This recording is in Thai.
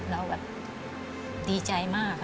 เราแบบดีใจมาก